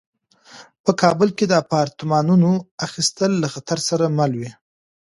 په کابل کې د اپارتمانونو اخیستل له خطر سره مل وو.